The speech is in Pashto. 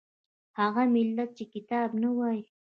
هغه ملت چې کتاب نه وايي